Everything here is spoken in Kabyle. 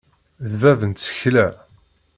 D bab n tsekla.